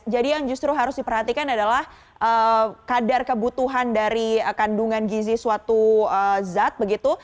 jadi yang justru harus diperhatikan adalah kadar kebutuhan dari kandungan gizi suatu zat begitu